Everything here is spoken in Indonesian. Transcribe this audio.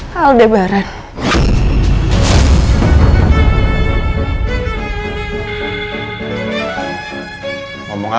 waktu itu aku hamil dengan